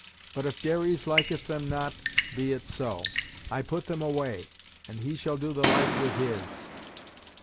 But if Dares liketh them not, be it so; I put them away, and he shall do the like with his."